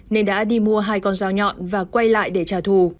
nên đã đi mua hai con dao nhọn và quay lại để trả thù